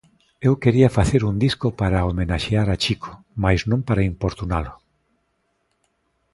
Eu quería facer un disco para homenaxear a Chico, mais non para importunalo.